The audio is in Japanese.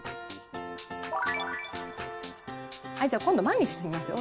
はいじゃあ今度前に進みますよ。